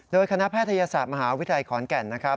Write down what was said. โดยคณะแพทยศาสตร์มหาวิทยาลัยขอนแก่นนะครับ